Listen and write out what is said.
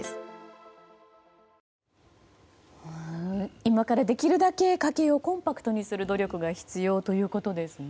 今から、できるだけ家計をコンパクトにする努力が必要ということですね。